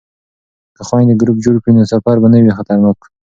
که خویندې ګروپ جوړ کړي نو سفر به نه وي خطرناک.